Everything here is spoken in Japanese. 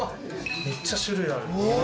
めっちゃ種類ある。